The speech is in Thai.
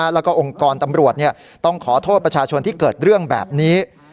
แล้วก็องค์กรตำรวจต้องขอโทษประชาชนที่เกิดเรื่องแบบนี้